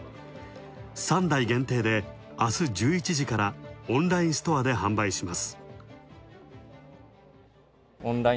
３台限定で明日１１時から、オンラインストアで販売します。